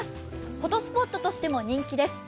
フォトスポットとしても人気です。